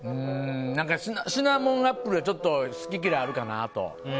シナモンアップルはちょっと好き嫌いあるかなと。